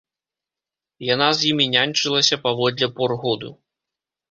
Яна з імі няньчылася паводле пор году.